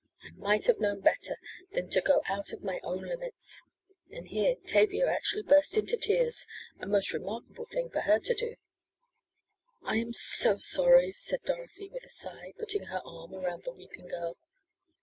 I might have know better than to go out of my own limits!" and here Tavia actually burst into tears, a most remarkable thing for her to do. "I am so sorry," said Dorothy with a sigh, putting her arm around the weeping girl.